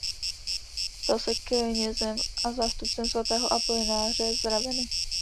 Stal se knězem a nástupcem svatého Apolináře z Ravenny.